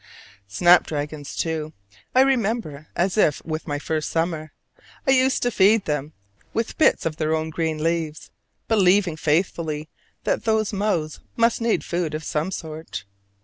Snapdragons, too, I remember as if with my first summer: I used to feed them with bits of their own green leaves, believing faithfully that those mouths must need food of some sort.